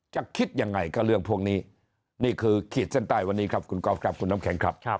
คิดยังไงกับเรื่องพวกนี้นี่คือขีดเส้นใต้วันนี้ครับคุณก๊อฟครับคุณน้ำแข็งครับ